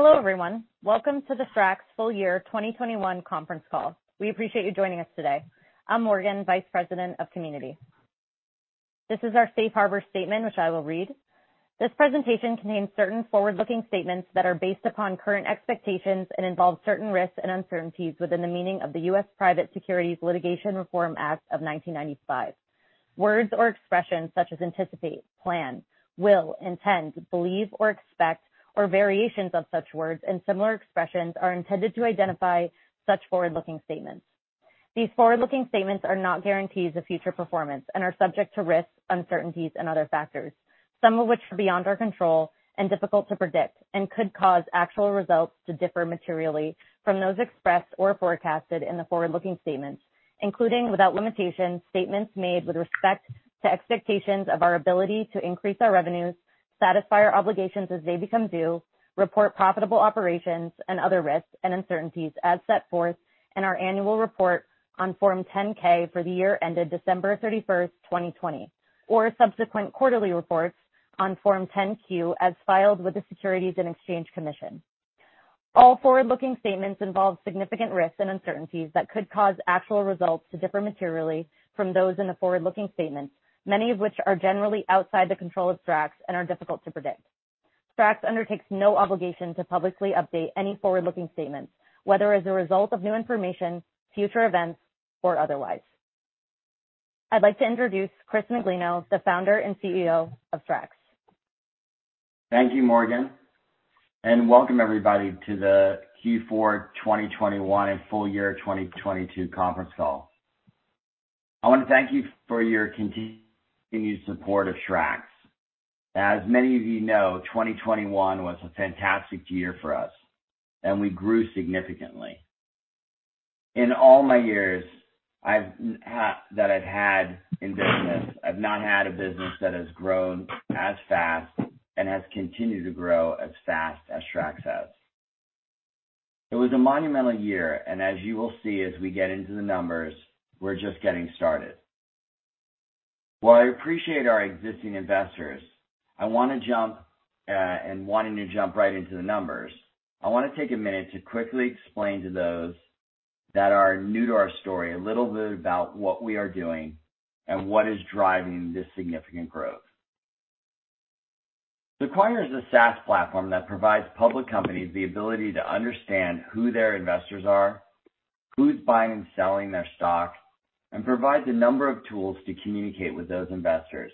Hello, everyone. Welcome to the SRAX full year 2021 conference call. We appreciate you joining us today. I'm Morgan, Vice President of Community. This is our safe harbor statement, which I will read. This presentation contains certain forward-looking statements that are based upon current expectations and involve certain risks and uncertainties within the meaning of the U.S. Private Securities Litigation Reform Act of 1995. Words or expressions such as anticipate, plan, will, intend, believe or expect, or variations of such words and similar expressions are intended to identify such forward-looking statements. These forward-looking statements are not guarantees of future performance and are subject to risks, uncertainties and other factors, some of which are beyond our control and difficult to predict and could cause actual results to differ materially from those expressed or forecasted in the forward-looking statements, including, without limitation, statements made with respect to expectations of our ability to increase our revenues, satisfy our obligations as they become due, report profitable operations and other risks and uncertainties as set forth in our annual report on Form 10-K for the year ended December 31st, 2020, or subsequent quarterly reports on Form 10-Q as filed with the Securities and Exchange Commission. All forward-looking statements involve significant risks and uncertainties that could cause actual results to differ materially from those in the forward-looking statements, many of which are generally outside the control of SRAX and are difficult to predict. SRAX undertakes no obligation to publicly update any forward-looking statements, whether as a result of new information, future events, or otherwise. I'd like to introduce Chris Miglino, the Founder and CEO of SRAX. Thank you, Morgan, and welcome everybody to the Q4 2021 and full year 2022 conference call. I want to thank you for your continued support of SRAX. As many of you know, 2021 was a fantastic year for us and we grew significantly. In all my years I've had in business, I've not had a business that has grown as fast and has continued to grow as fast as SRAX has. It was a monumental year, and as you will see as we get into the numbers, we're just getting started. While I appreciate our existing investors, I wanna jump right into the numbers. I wanna take a minute to quickly explain to those that are new to our story a little bit about what we are doing and what is driving this significant growth. Sequire is a SaaS platform that provides public companies the ability to understand who their investors are, who's buying and selling their stock, and provides a number of tools to communicate with those investors,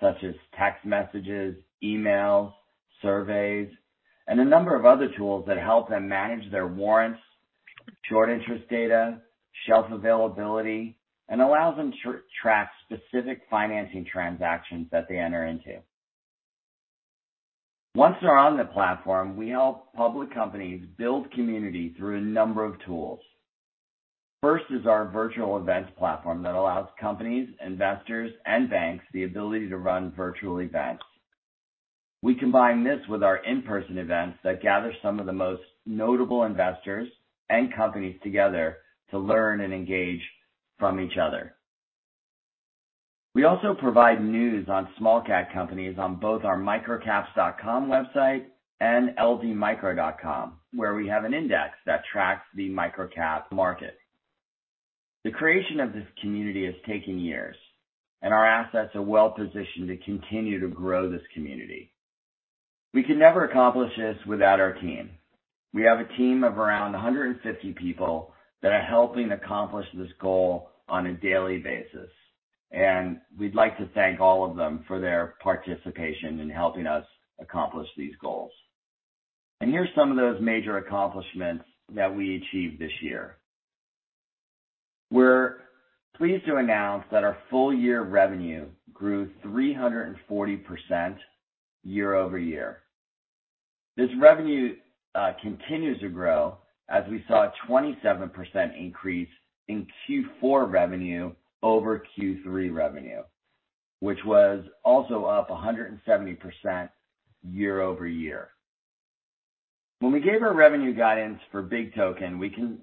such as text messages, emails, surveys, and a number of other tools that help them manage their warrants, short interest data, shelf availability, and allows them to track specific financing transactions that they enter into. Once they're on the platform, we help public companies build community through a number of tools. First is our virtual events platform that allows companies, investors, and banks the ability to run virtual events. We combine this with our in-person events that gather some of the most notable investors and companies together to learn and engage from each other. We also provide news on small cap companies on both our microcaps.com website and ldmicro.com, where we have an index that tracks the microcap market. The creation of this community has taken years and our assets are well positioned to continue to grow this community. We can never accomplish this without our team. We have a team of around 150 people that are helping accomplish this goal on a daily basis, and we'd like to thank all of them for their participation in helping us accomplish these goals. Here's some of those major accomplishments that we achieved this year. We're pleased to announce that our full year revenue grew 340% year-over-year. This revenue continues to grow as we saw a 27% increase in Q4 revenue over Q3 revenue, which was also up 170% year-over-year. When we gave our revenue guidance for BIGtoken,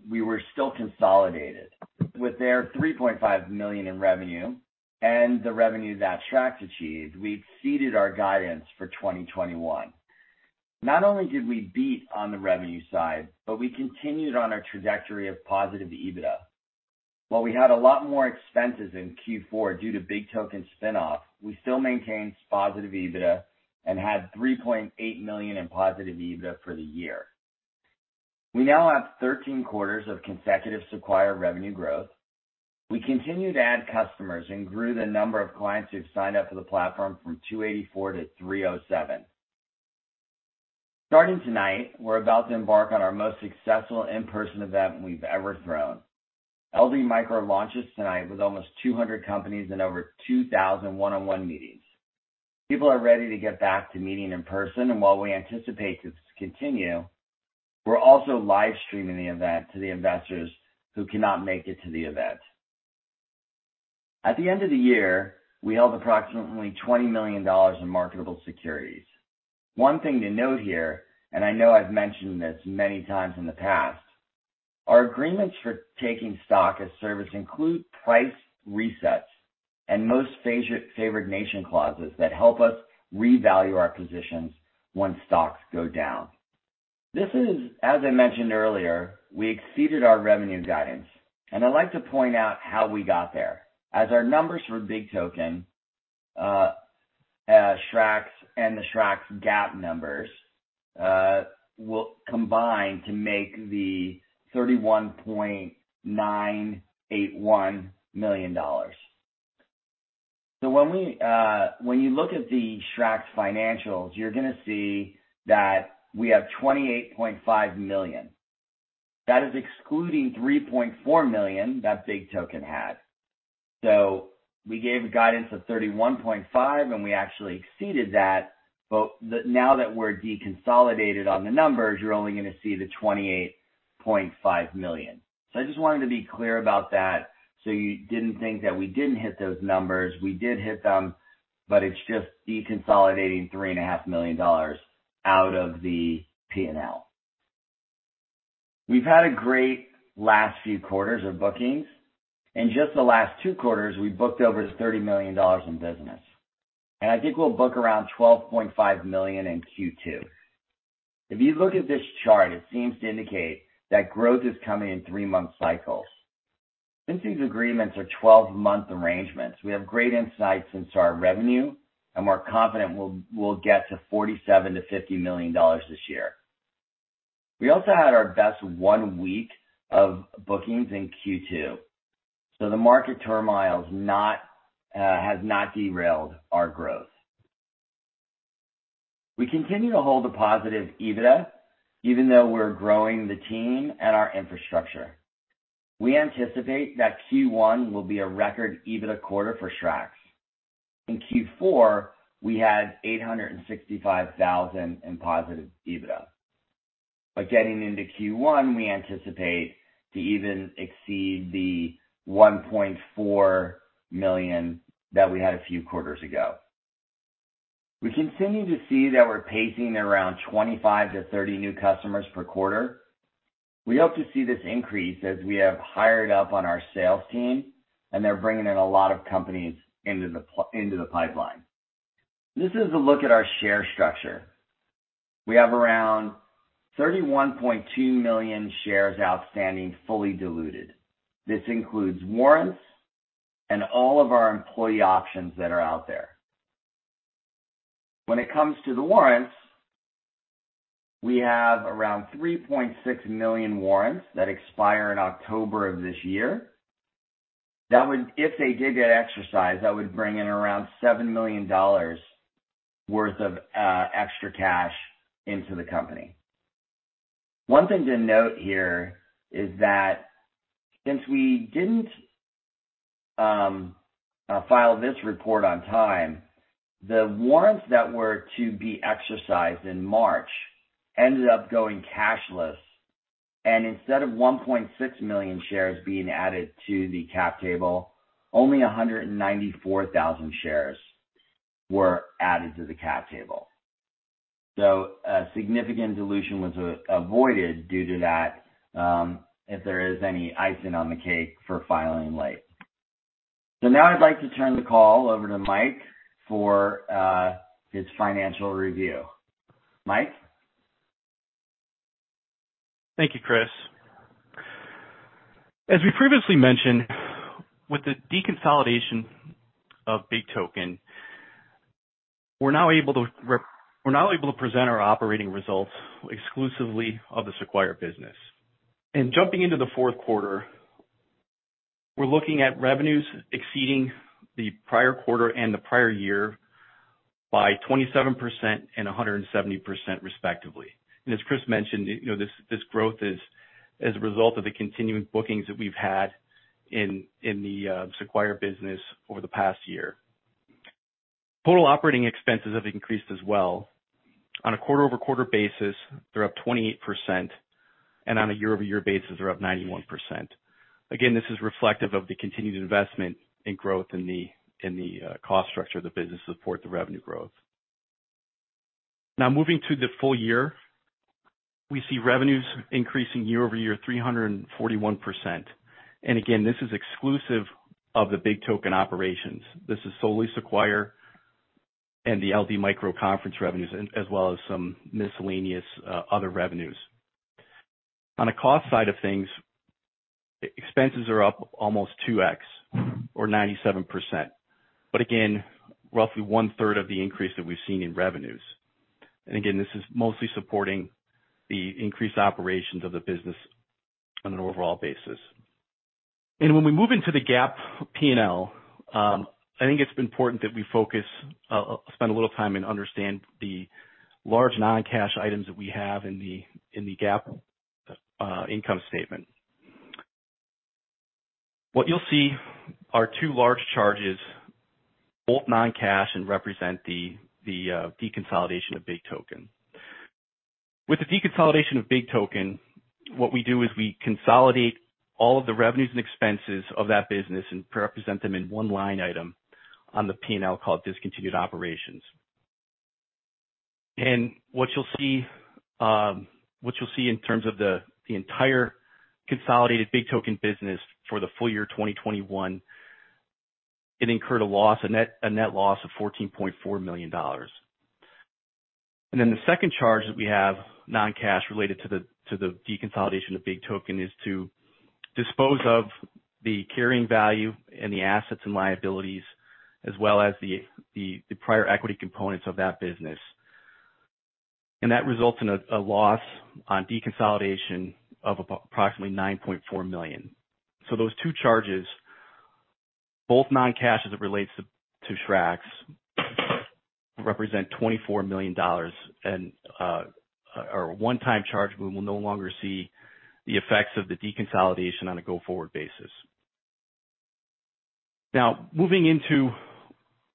we were still consolidated. With their $3.5 million in revenue and the revenue that SRAX achieved, we'd exceeded our guidance for 2021. Not only did we beat on the revenue side, but we continued on our trajectory of positive EBITDA. While we had a lot more expenses in Q4 due to BIGtoken spinoff, we still maintained positive EBITDA and had $3.8 million in positive EBITDA for the year. We now have 13 quarters of consecutive Sequire revenue growth. We continue to add customers and grew the number of clients who've signed up for the platform from 284 to 307. Starting tonight, we're about to embark on our most successful in-person event we've ever thrown. LD Micro launches tonight with almost 200 companies and over 2,000 one-on-one meetings. People are ready to get back to meeting in person. While we anticipate this to continue, we're also live streaming the event to the investors who cannot make it to the event. At the end of the year, we held approximately $20 million in marketable securities. One thing to note here, and I know I've mentioned this many times in the past. Our agreements for taking stock as service include price resets and most favored nation clauses that help us revalue our positions once stocks go down. This is, as I mentioned earlier, we exceeded our revenue guidance, and I'd like to point out how we got there. As our numbers for BIGtoken, as SRAX and the SRAX GAAP numbers, will combine to make the $31.981 million. When you look at the SRAX financials, you're gonna see that we have $28.5 million. That is excluding $3.4 million that BIGtoken had. We gave a guidance of $31.5 million, and we actually exceeded that. Now that we're deconsolidated on the numbers, you're only gonna see the $28.5 million. I just wanted to be clear about that, so you didn't think that we didn't hit those numbers. We did hit them, but it's just deconsolidating $3.5 million out of the P&L. We've had a great last few quarters of bookings. In just the last two quarters, we booked over $30 million in business, and I think we'll book around $12.5 million in Q2. If you look at this chart, it seems to indicate that growth is coming in three-month cycles. Since these agreements are 12-month arrangements, we have great insights into our revenue, and we're confident we'll get to $47 million-$50 million this year. We also had our best one week of bookings in Q2, so the market turmoil has not derailed our growth. We continue to hold a positive EBITDA even though we're growing the team and our infrastructure. We anticipate that Q1 will be a record EBITDA quarter for SRAX. In Q4, we had $865,000 in positive EBITDA. By getting into Q1, we anticipate to even exceed the $1.4 million that we had a few quarters ago. We continue to see that we're pacing around 25-30 new customers per quarter. We hope to see this increase as we have hired up on our sales team, and they're bringing in a lot of companies into the pipeline. This is a look at our share structure. We have around 31.2 million shares outstanding, fully diluted. This includes warrants and all of our employee options that are out there. When it comes to the warrants, we have around 3.6 million warrants that expire in October of this year. If they did get exercised, that would bring in around $7 million worth of extra cash into the company. One thing to note here is that since we didn't file this report on time, the warrants that were to be exercised in March ended up going cashless. Instead of 1.6 million shares being added to the cap table, only 194,000 shares were added to the cap table. A significant dilution was avoided due to that, if there is any icing on the cake for filing late. Now I'd like to turn the call over to Mike for his financial review. Mike? Thank you, Chris. As we previously mentioned, with the deconsolidation of BIGtoken, we're now able to present our operating results exclusively of the Sequire business. Jumping into the fourth quarter, we're looking at revenues exceeding the prior quarter and the prior year by 27% and 170% respectively. As Chris mentioned, you know, this growth is as a result of the continuing bookings that we've had in the Sequire business over the past year. Total operating expenses have increased as well. On a quarter-over-quarter basis, they're up 28%. On a year-over-year basis, they're up 91%. Again, this is reflective of the continued investment in growth in the cost structure of the business to support the revenue growth. Now, moving to the full year, we see revenues increasing year-over-year, 341%. Again, this is exclusive of the BIGtoken operations. This is solely Sequire and the LD Micro Conference revenues, as well as some miscellaneous other revenues. On a cost side of things, expenses are up almost 2x or 97%, but again, roughly 1/3 of the increase that we've seen in revenues. Again, this is mostly supporting the increased operations of the business on an overall basis. When we move into the GAAP P&L, I think it's important that we focus, spend a little time and understand the large non-cash items that we have in the GAAP income statement. What you'll see are two large charges, both non-cash, and represent the deconsolidation of BIGtoken. With the deconsolidation of BIGtoken, what we do is we consolidate all of the revenues and expenses of that business and represent them in one line item on the P&L called discontinued operations. What you'll see in terms of the entire consolidated BIGtoken business for the full year 2021, it incurred a net loss of $14.4 million. Then the second charge that we have non-cash related to the deconsolidation of BIGtoken is to dispose of the carrying value and the assets and liabilities as well as the prior equity components of that business. That results in a loss on deconsolidation of approximately $9.4 million. Those two charges, both non-cash as it relates to SRAX, represent $24 million and are a one-time charge. We will no longer see the effects of the deconsolidation on a go-forward basis. Now, moving into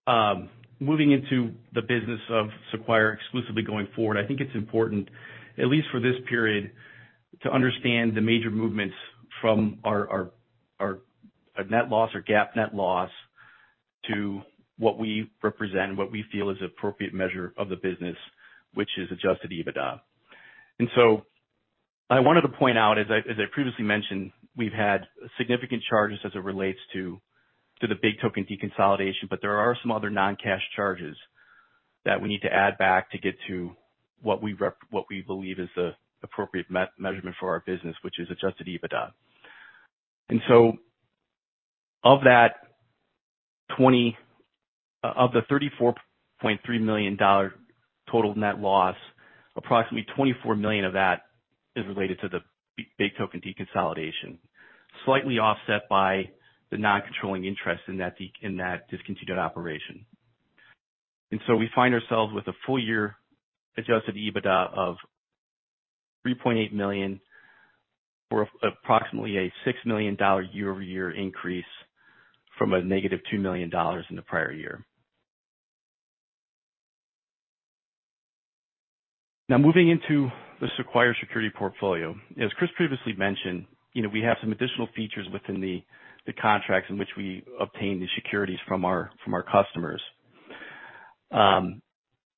the business of Sequire exclusively going forward, I think it's important, at least for this period, to understand the major movements from our net loss or GAAP net loss to what we represent and what we feel is appropriate measure of the business, which is Adjusted EBITDA. I wanted to point out, as I previously mentioned, we've had significant charges as it relates to the BIGtoken deconsolidation. There are some other non-cash charges that we need to add back to get to what we believe is the appropriate measurement for our business, which is Adjusted EBITDA. Of that $20... Of the $34.3 million total net loss, approximately $24 million of that is related to the BIGtoken deconsolidation, slightly offset by the non-controlling interest in that discontinued operation. We find ourselves with a full year Adjusted EBITDA of $3.8 million or approximately a $6 million year-over-year increase from a -$2 million in the prior year. Now moving into the Sequire security portfolio. As Chris previously mentioned, we have some additional features within the contracts in which we obtain the securities from our customers.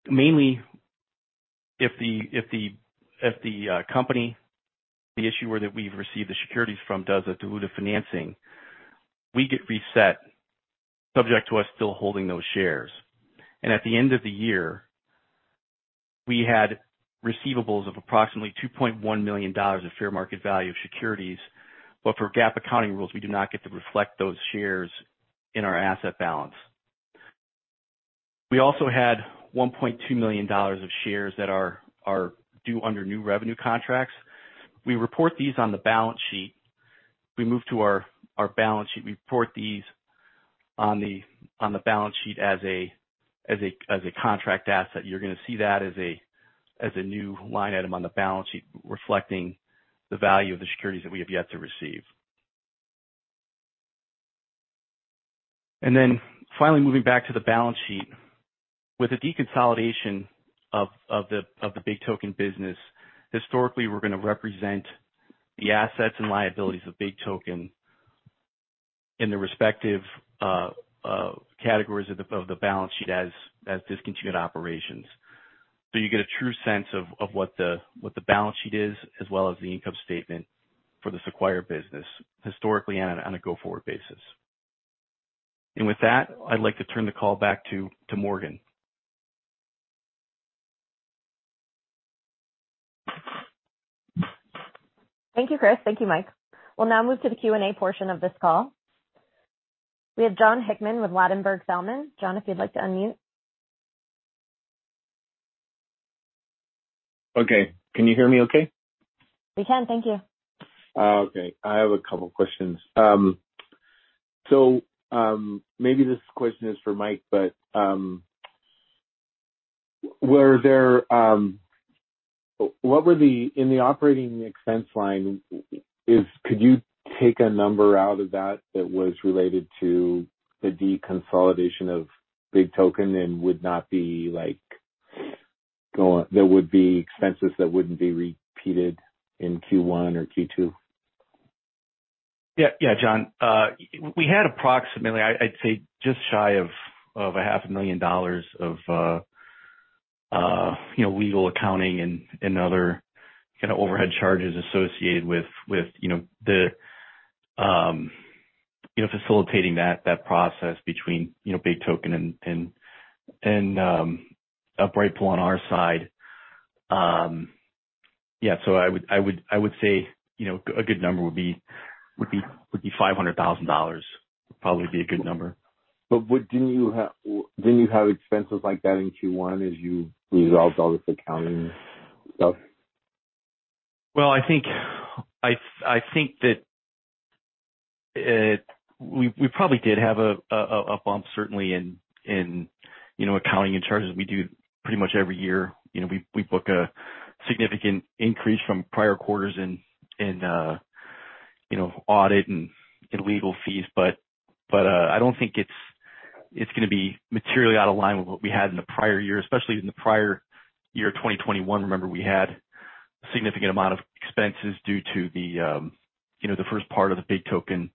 Mainly if the company, the issuer that we've received the securities from does a dilute financing, we get reset subject to us still holding those shares. At the end of the year, we had receivables of approximately $2.1 million of fair market value of securities. But for GAAP accounting rules, we do not get to reflect those shares in our asset balance. We also had $1.2 million of shares that are due under new revenue contracts. We report these on the balance sheet. We move to our balance sheet. We report these on the balance sheet as a contract asset. You're gonna see that as a new line item on the balance sheet, reflecting the value of the securities that we have yet to receive. Finally moving back to the balance sheet. With the deconsolidation of the BIGtoken business, historically we're gonna represent the assets and liabilities of BIGtoken in the respective categories of the balance sheet as discontinued operations. You get a true sense of what the balance sheet is as well as the income statement for the Sequire business, historically and on a go-forward basis. With that, I'd like to turn the call back to Morgan. Thank you, Chris. Thank you, Mike. We'll now move to the Q&A portion of this call. We have Jon Hickman with Ladenburg Thalmann. Jon, if you'd like to unmute. Okay. Can you hear me okay? We can. Thank you. Okay. I have a couple questions. Maybe this question is for Mike, but in the operating expense line could you take a number out of that that was related to the deconsolidation of BIGtoken that would be expenses that wouldn't be repeated in Q1 or Q2? Yeah. Yeah, Jon. We had approximately, I'd say just shy of $500,000 of you know legal accounting and other kinda overhead charges associated with you know the facilitating that process between you know BIGtoken and BritePool on our side. Yeah. I would say you know a good number would be $500,000 would probably be a good number. Didn't you have expenses like that in Q1 as you resolved all this accounting stuff? Well, I think that we probably did have a bump certainly in you know accounting and charges. We do pretty much every year. You know, we book a significant increase from prior quarters in you know audit and in legal fees. I don't think it's gonna be materially out of line with what we had in the prior year, especially in the prior year, 2021. Remember we had a significant amount of expenses due to the you know the first part of the BIGtoken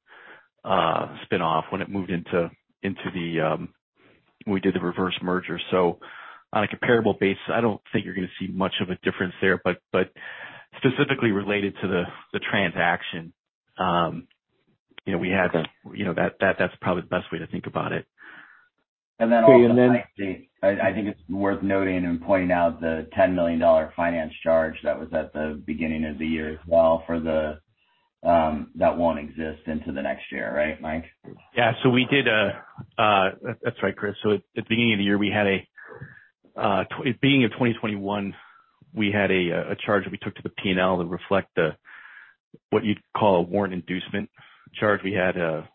spin-off when it moved into the we did the reverse merger. On a comparable basis, I don't think you're gonna see much of a difference there. Specifically related to the transaction, you know, we had you know, that's probably the best way to think about it. I think it's worth noting and pointing out the $10 million finance charge that was at the beginning of the year as well for the that won't exist into the next year, right, Mike? That's right, Chris. At the beginning of the year, we had it being in 2021, we had a charge that we took to the P&L to reflect what you'd call a warrant inducement charge. We had to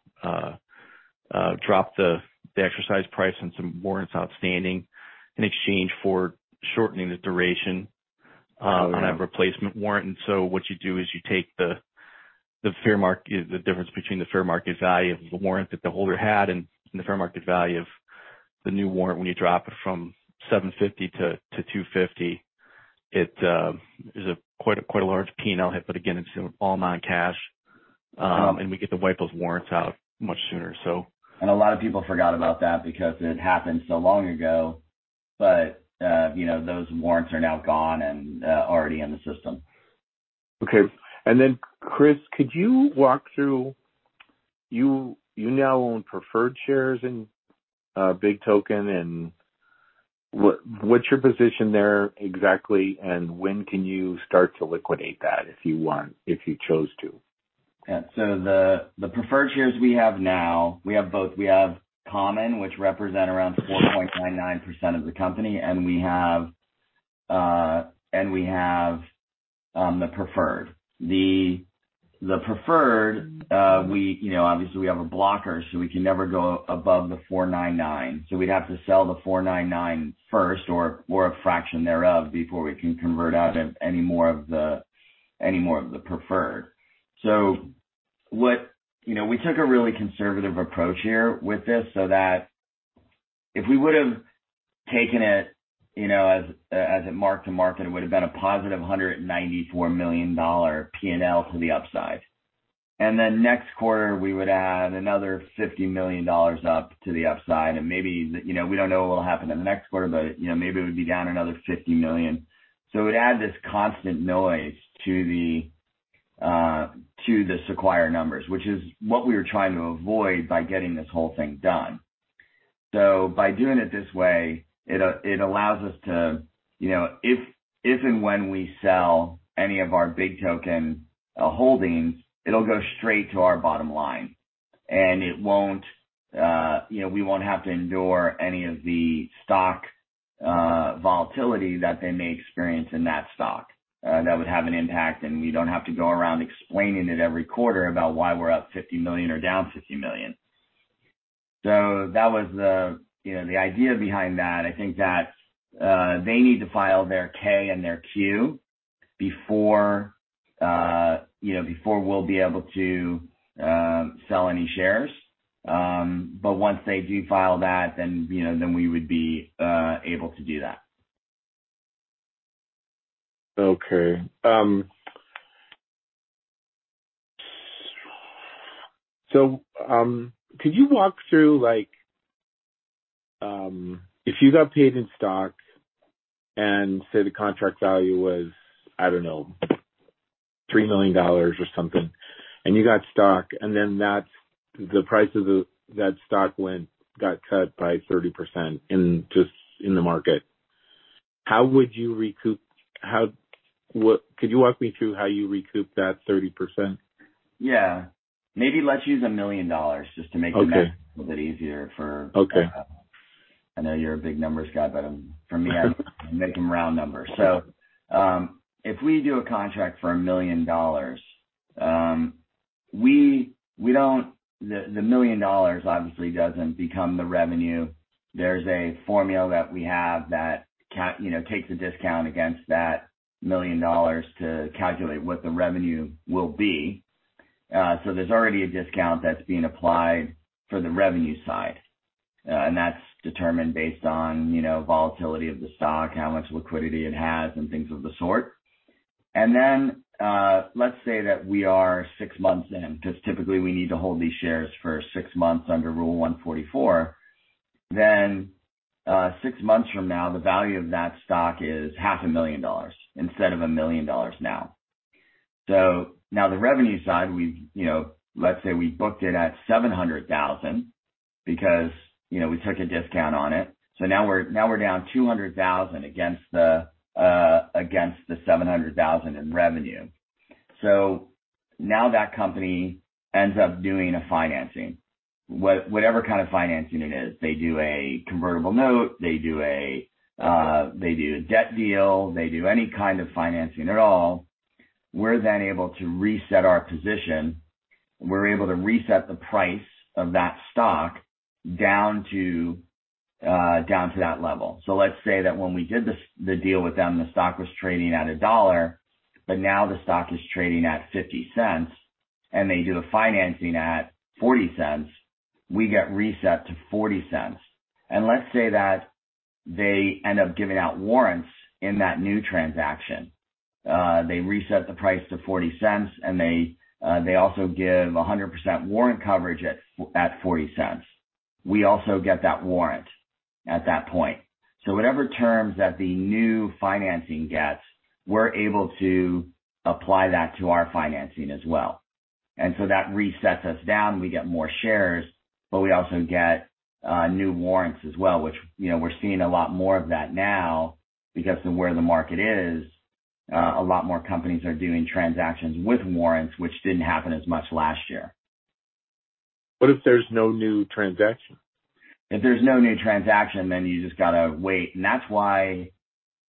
drop the exercise price on some warrants outstanding in exchange for shortening the duration on a replacement warrant. What you do is you take the difference between the fair market value of the warrant that the holder had and the fair market value of the new warrant when you drop it from $750 to $250. It is a quite a large P&L hit. Again, it's all non-cash. We get to wipe those warrants out much sooner so. A lot of people forgot about that because it happened so long ago. You know, those warrants are now gone and already in the system. Okay. Chris, could you walk through you now own preferred shares in BIGtoken and what's your position there exactly, and when can you start to liquidate that if you want, if you chose to? The preferred shares we have now, we have both. We have common, which represent around 4.99% of the company, and we have the preferred. The preferred, we know, obviously we have a blocker, so we can never go above the $4.99. We'd have to sell the $4.99 first or a fraction thereof before we can convert out of any more of the preferred. What. You know, we took a really conservative approach here with this so that if we would've taken it, you know, as it mark to market, it would've been a +$194 million P&L to the upside. Then next quarter, we would add another $50 million up to the upside. Maybe, you know, we don't know what will happen in the next quarter, but, you know, maybe it would be down another $50 million. It would add this constant noise to the Sequire numbers, which is what we were trying to avoid by getting this whole thing done. By doing it this way, it allows us to, you know, if and when we sell any of our BIGtoken holdings, it'll go straight to our bottom line. It won't, you know, we won't have to endure any of the stock volatility that they may experience in that stock that would have an impact. We don't have to go around explaining it every quarter about why we're up $50 million or down $50 million. That was the, you know, the idea behind that. I think that they need to file their K and their Q before, you know, before we'll be able to sell any shares. Once they do file that, then you know we would be able to do that. Okay. Could you walk through, like, if you got paid in stock and say, the contract value was, I don't know, $3 million or something, and you got stock, and then the price of that stock got cut by 30% just in the market. How would you recoup that 30%? Yeah. Maybe let's use $1 million just to make the math. Okay. -A little bit easier for- Okay. I know you're a big numbers guy, but, for me, I make them round numbers. If we do a contract for $1 million, we don't. The $1 million obviously doesn't become the revenue. There's a formula that we have that you know, takes a discount against that $1 million to calculate what the revenue will be. There's already a discount that's being applied for the revenue side, and that's determined based on, you know, volatility of the stock, how much liquidity it has and things of the sort. Let's say that we are six months in, because typically we need to hold these shares for six months under Rule 144. Six months from now, the value of that stock is $500,000 instead of $1 million now. Now the revenue side, we've, you know, let's say we booked it at $700,000 because, you know, we took a discount on it. Now we're down $200,000 against the $700,000 in revenue. Now that company ends up doing a financing. Whatever kind of financing it is. They do a convertible note, they do a debt deal, they do any kind of financing at all. We're then able to reset our position. We're able to reset the price of that stock down to that level. Let's say that when we did this, the deal with them, the stock was trading at $1, but now the stock is trading at $0.50. They do the financing at $0.40, we get reset to $0.40. Let's say that they end up giving out warrants in that new transaction. They reset the price to $0.40, and they also give 100% warrant coverage at $0.40. We also get that warrant at that point. Whatever terms that the new financing gets, we're able to apply that to our financing as well. That resets us down, we get more shares, but we also get new warrants as well, which, you know, we're seeing a lot more of that now because of where the market is, a lot more companies are doing transactions with warrants, which didn't happen as much last year. What if there's no new transaction? If there's no new transaction, then you just gotta wait. That's why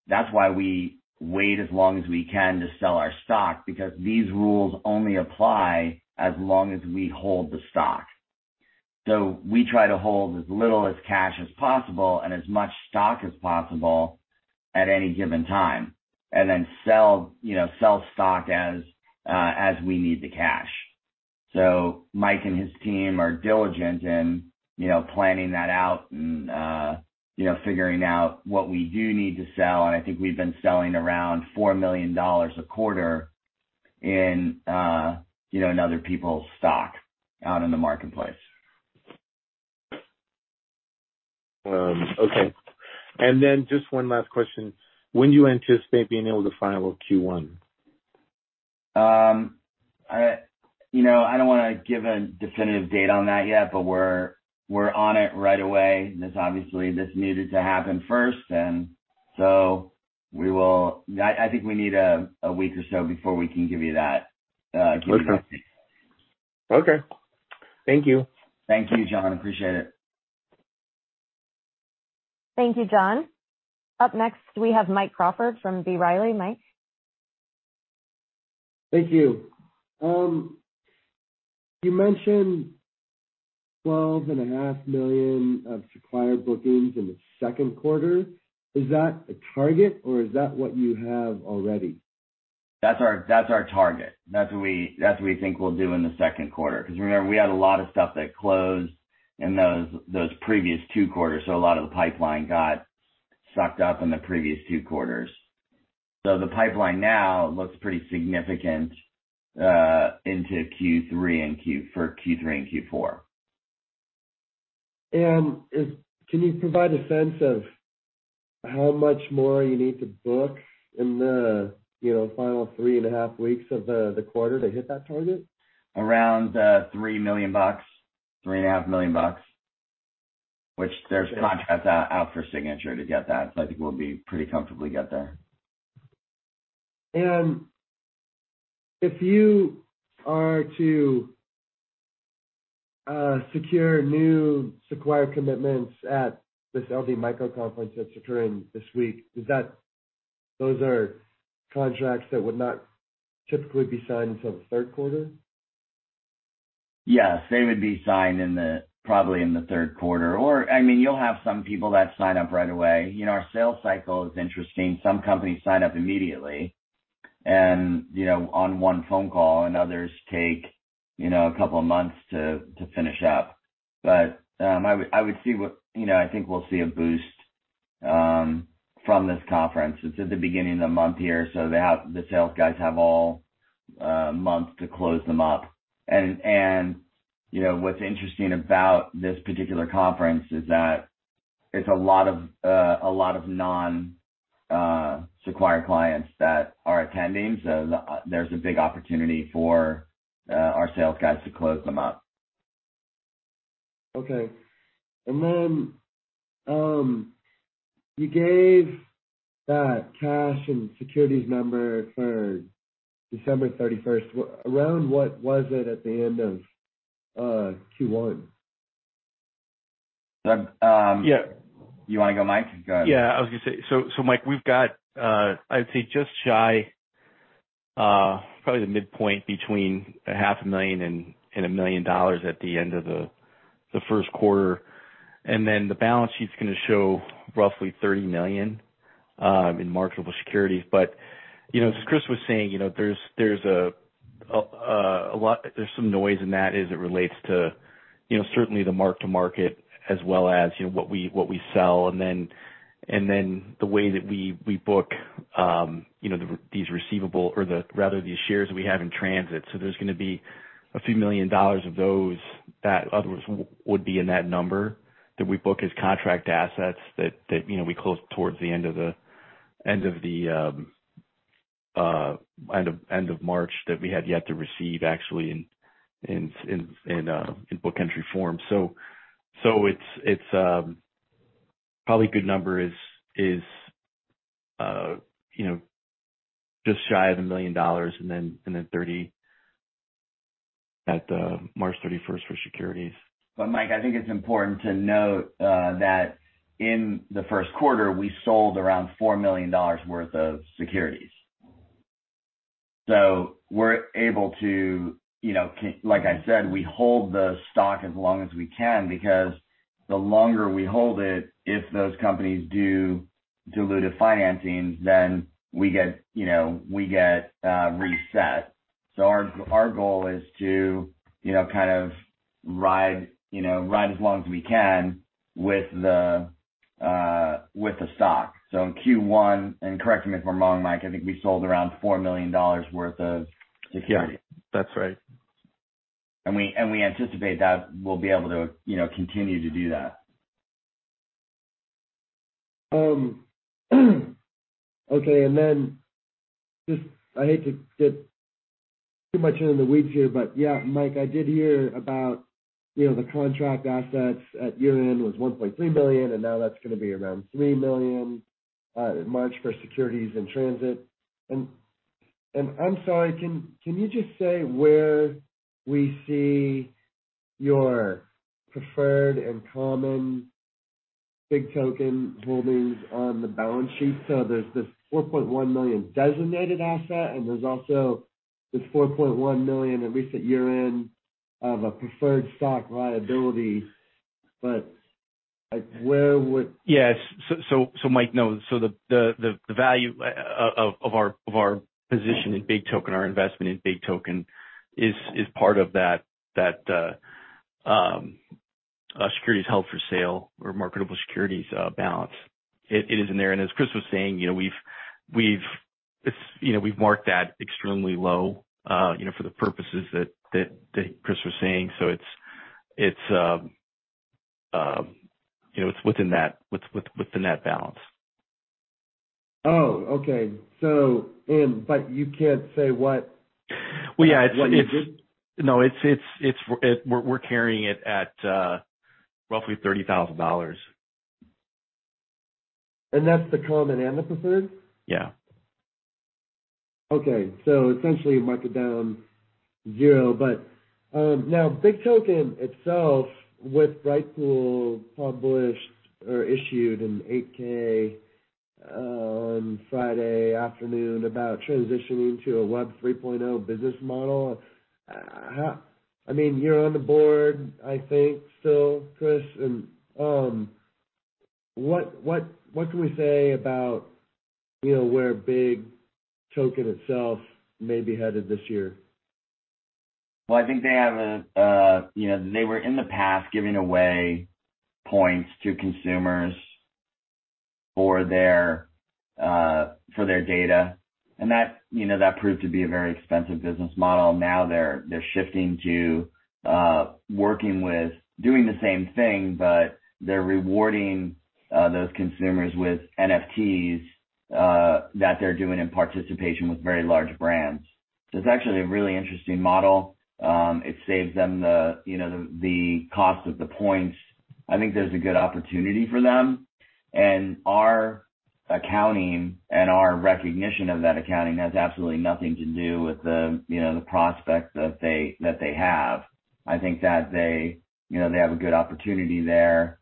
we wait as long as we can to sell our stock, because these rules only apply as long as we hold the stock. We try to hold as little cash as possible and as much stock as possible at any given time, and then sell, you know, sell stock as we need the cash. Mike and his team are diligent in, you know, planning that out and, you know, figuring out what we do need to sell. I think we've been selling around $4 million a quarter in, you know, in other people's stock out in the marketplace. Okay. Just one last question. When do you anticipate being able to file Q1? You know, I don't wanna give a definitive date on that yet, but we're on it right away. This obviously needed to happen first, and so we will. I think we need a week or so before we can give you that. Okay. Thank you. Thank you, Jon. Appreciate it. Thank you, Jon. Up next, we have Mike Crawford from B. Riley. Mike? Thank you. You mentioned $12.5 million of Sequire bookings in the second quarter. Is that a target or is that what you have already? That's our target. That's what we think we'll do in the second quarter. 'Cause remember, we had a lot of stuff that closed in those previous two quarters, so a lot of the pipeline got sucked up in the previous two quarters. So the pipeline now looks pretty significant into Q3 and Q4. Can you provide a sense of how much more you need to book in the, you know, final 3.5 weeks of the quarter to hit that target? Around $3 million, $3.5 million. Which there's contracts out for signature to get that, so I think we'll be pretty comfortably get there. If you are to secure new Sequire commitments at this LD Micro conference that's occurring this week, is that those are contracts that would not typically be signed until the third quarter? Yes, they would be signed probably in the third quarter. I mean, you'll have some people that sign up right away. You know, our sales cycle is interesting. Some companies sign up immediately and, you know, on one phone call, and others take, you know, a couple of months to finish up. You know, I think we'll see a boost from this conference. It's at the beginning of the month here, so the sales guys have all month to close them up. You know, what's interesting about this particular conference is that it's a lot of non Sequire clients that are attending. There's a big opportunity for our sales guys to close them up. Okay. You gave that cash and securities number for December 31st. Around what was it at the end of Q1? That. Yeah. You wanna go, Mike? Go ahead. Yeah, I was gonna say. So, Mike, we've got, I'd say just shy, probably the midpoint between $500,000 and $1 million dollars at the end of the first quarter. Then the balance sheet's gonna show roughly $30 million in marketable securities. But, you know, as Chris was saying, you know, there's a lot. There's some noise in that as it relates to, you know, certainly the mark to market as well as, you know, what we sell, and then the way that we book these receivables or rather these shares that we have in transit. There's gonna be a few million dollars of those that otherwise would be in that number that we book as contract assets that you know we close towards the end of March that we had yet to receive actually in book entry form. It's probably a good number, you know, just shy of $1 million and then $30 million at March 31st for securities. Mike, I think it's important to note that in the first quarter, we sold around $4 million worth of securities. We're able to, you know, like I said, we hold the stock as long as we can because the longer we hold it, if those companies do dilutive financings, then we get, you know, reset. Our goal is to, you know, kind of ride as long as we can with the stock. In Q1, and correct me if I'm wrong, Mike, I think we sold around $4 million worth of security. Yeah. That's right. We anticipate that we'll be able to, you know, continue to do that. Okay. I hate to get too much into the weeds here, but yeah, Mike, I did hear about, you know, the contract assets at year-end was $1.3 billion, and now that's gonna be around $3 million in March for securities in transit. I'm sorry, can you just say where we see your preferred and common BIGtoken holdings on the balance sheet? There's this $4.1 million designated asset, and there's also this $4.1 million at recent year-end of a preferred stock liability. Like, where would... Yes. Mike knows. The value of our position in BIGtoken, our investment in BIGtoken is part of that securities held for sale or marketable securities balance. It is in there. As Chris was saying, you know, we've marked that extremely low, you know, for the purposes that Chris was saying. It's within that balance. Oh, okay. You can't say what? Well, yeah. What you did? No, it's. We're carrying it at roughly $30,000. That's the common and the preferred? Yeah. Okay. Essentially mark it down zero. Now BIGtoken itself with BritePool published or issued an 8-K on Friday afternoon about transitioning to a Web 3.0 business model. I mean, you're on the board, I think so, Chris. What can we say about, you know, where BIGtoken itself may be headed this year? Well, I think they have a, you know, they were in the past giving away points to consumers for their data. That, you know, that proved to be a very expensive business model. Now they're shifting to working with doing the same thing, but they're rewarding those consumers with NFTs that they're doing in participation with very large brands. It's actually a really interesting model. It saves them the, you know, the cost of the points. I think there's a good opportunity for them. Our accounting and our recognition of that accounting has absolutely nothing to do with the, you know, the prospects that they have. I think that they, you know, have a good opportunity there.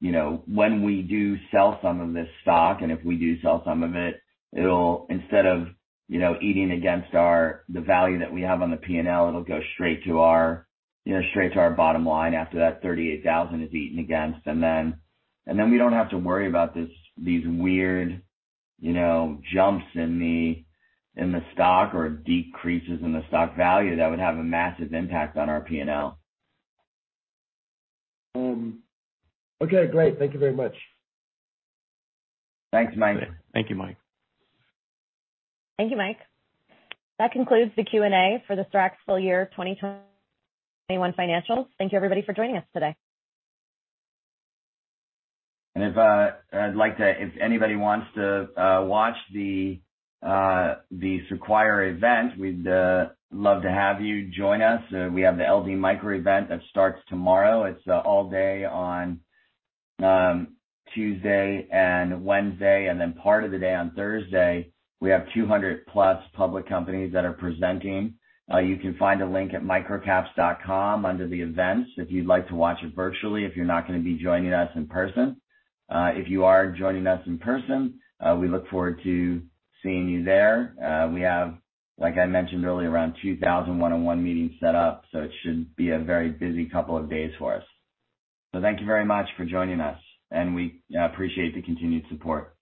You know, when we do sell some of this stock, and if we do sell some of it'll instead of, you know, eating against our the value that we have on the P&L, it'll go straight to our, you know, straight to our bottom line after that $38,000 is eaten against. Then we don't have to worry about this, these weird, you know, jumps in the, in the stock or decreases in the stock value that would have a massive impact on our P&L. Okay, great. Thank you very much. Thanks, Mike. Thank you, Mike. Thank you, Mike. That concludes the Q&A for the SRAX full year 2021 financials. Thank you, everybody, for joining us today. If anybody wants to watch the Sequire event, we'd love to have you join us. We have the LD Micro event that starts tomorrow. It's all day on Tuesday and Wednesday, and then part of the day on Thursday. We have 200+ public companies that are presenting. You can find a link at microcaps.com under the events if you'd like to watch it virtually if you're not gonna be joining us in person. If you are joining us in person, we look forward to seeing you there. We have, like I mentioned earlier, around 2000 one-on-one meetings set up, so it should be a very busy couple of days for us. Thank you very much for joining us, and we appreciate the continued support.